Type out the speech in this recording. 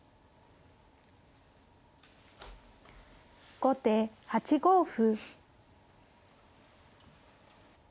後手８五歩。